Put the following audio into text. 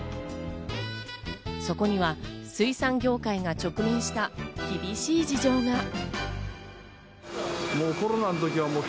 そこには水産業界が直面した厳しい事情が。